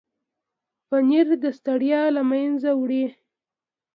پنېر د ستړیا له منځه وړي.